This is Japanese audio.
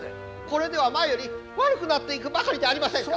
これでは前より悪くなっていくばかりじゃありませんか。